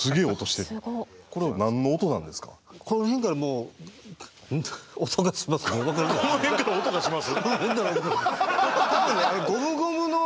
この辺から音がします？